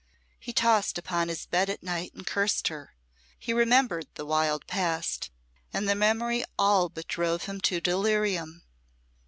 He tossed upon his bed at night and cursed her; he remembered the wild past, and the memory all but drove him to delirium.